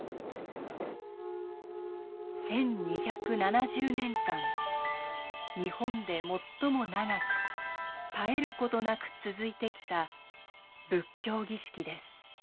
１，２７０年間日本で最も長く絶えることなく続いてきた仏教儀式です。